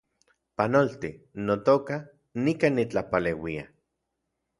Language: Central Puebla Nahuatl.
Panolti, notoka, nikan nitlapaleuia